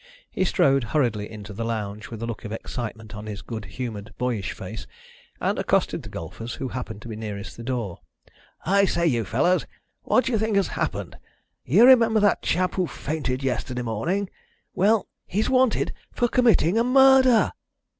He strode hurriedly into the lounge, with a look of excitement on his good humoured boyish face, and accosted the golfers, who happened to be nearest the door. "I say, you fellows, what do you think has happened? You remember that chap who fainted yesterday morning? Well, he's wanted for committing a murder!"